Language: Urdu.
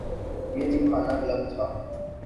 یہ جم خانہ کلب تھا۔